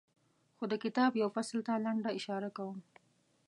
خو د کتاب یوه فصل ته لنډه اشاره کوم.